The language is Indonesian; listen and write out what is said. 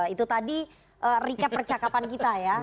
itu tadi recap percakapan kita ya